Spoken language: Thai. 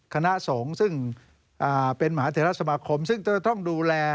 คณะสงฆ์ซึ่งเป็นมหาเทราสมาคมซึ่งจะต้องดูแล